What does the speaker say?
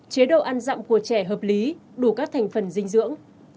chế độ ăn dặm của trẻ hợp lý đủ các thành phần dinh dưỡng